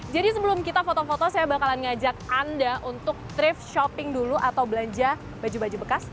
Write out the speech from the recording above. jadi sebelum kita foto foto saya bakalan ngajak anda untuk thrift shopping dulu atau belanja baju baju bekas